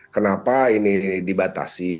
kenapa ini dibatasi